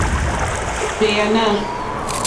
Nà ɡbèànà.